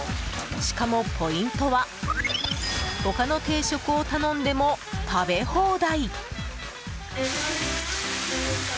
しかも、ポイントは他の定食を頼んでも食べ放題。